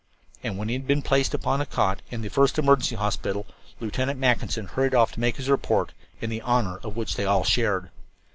And when he had been placed upon a cot in the first emergency hospital, Lieutenant Mackinson hurried off to make his report, in the honor of which all shared.